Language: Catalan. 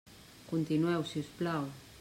Continueu, si us plau.